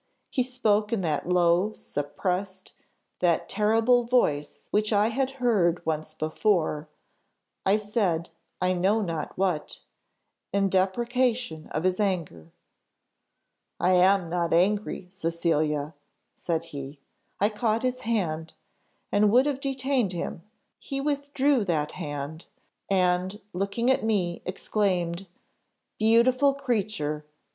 He spoke in that low, suppressed, that terrible voice which I had heard once before; I said, I know not what, in deprecation of his anger. 'I am not angry, Cecilia,' said he. I caught his hand, and would have detained him; he withdrew that hand, and, looking at me, exclaimed, 'Beautiful creature!